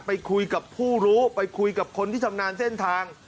ไปคุยกับชาวบ้านไปคุยกับผู้รู้ไปคุยกับคนที่ชำนาญเส้นทาง